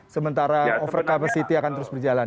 sementara overcapacity akan terus berjalan